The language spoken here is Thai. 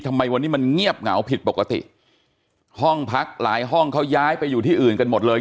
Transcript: ทำไมวันนี้มันเงียบเหงาผิดปกติห้องพักหลายห้องเขาย้ายไปอยู่ที่อื่นกันหมดเลย